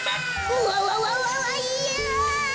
うわわわわいや。